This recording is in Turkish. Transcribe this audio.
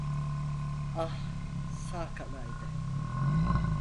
Ah sağ kalaydı…